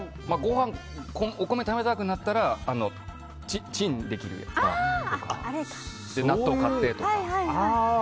お米が食べたくなったらチンできるやつで納豆を買ってとか。